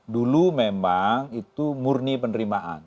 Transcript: dulu memang itu murni penerimaan